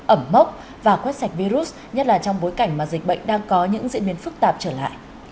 ẩm mốc và quét sạch virus nhất là trong bối cảnh mà dịch bệnh đang có những diễn biến phức tạp trở lại